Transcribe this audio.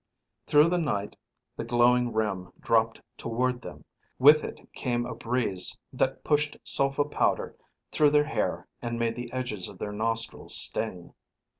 Through the night the glowing rim dropped toward them. With it came a breeze that pushed sulfa powder through their hair and made the edges of their nostrils sting.